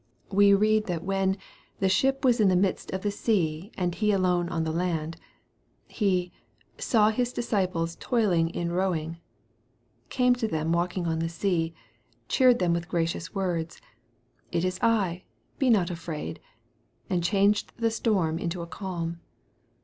We read that when " the ship was in the midst of the sea, and He alone on the land," He " saw His disciples toiling in rowing" came to them walking on the sea cheered them with the gracious words, " It is I, be not afraid" and changed the storm into a calm.